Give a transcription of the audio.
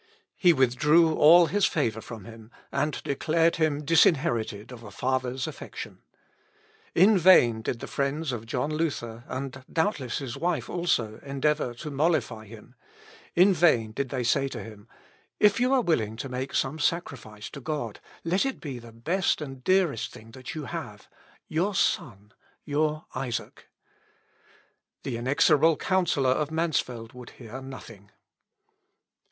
He withdrew all his favour from him, and declared him disinherited of a father's affection. In vain did the friends of John Luther, and doubtless his wife also, endeavour to mollify him; in vain did they say to him, "If you are willing to make some sacrifice to God, let it be the best and dearest thing that you have your son your Isaac." The inexorable counsellor of Mansfeld would hear nothing.